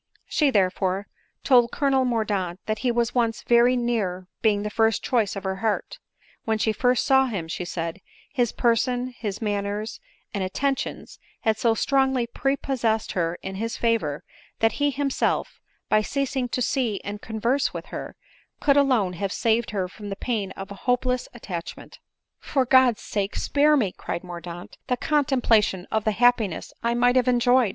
She, therefore, tpld Colonel Mordaunt that he was once very near being the first choice of her heart ; when she first saw him, she said, his person, and manners, and attentions, had so strongly prepossessed her in his favor, that he himself, by ceasing to see and converse with her, could alone have saved her from the pain of a hopeless attach ment. " For God's sake, spare me," cried Mordaunt, " the contemplation of the happiness I might have enjoyed